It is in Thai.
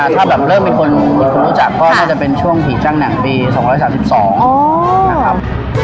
ถ้าแบบเริ่มเป็นคนรู้จักก็น่าจะเป็นช่วงผีจ้างหนังปี๒๓๒นะครับ